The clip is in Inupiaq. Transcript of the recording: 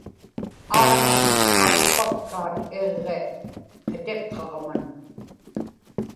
aġnat akpakkaat iġġi qitiqqaġman